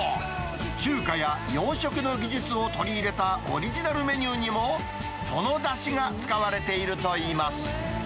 中華や洋食の技術を取り入れたオリジナルメニューにもそのだしが使われているといいます。